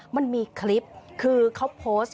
มันมีคลิปคือเขาโพสต์